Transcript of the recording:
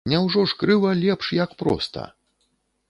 Няўжо ж крыва лепш, як проста?